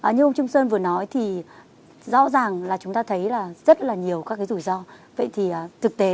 như ông trung sơn vừa nói thì rõ ràng là chúng ta thấy là rất là nhiều các cái rủi ro